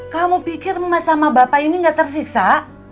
kamu pikir mama sama bapak ini gak tersiksa